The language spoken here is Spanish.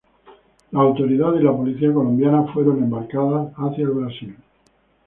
Las autoridades y la policía colombiana fueron embarcadas hacia el Brasil.